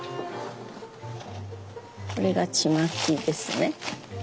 これがちまきですね。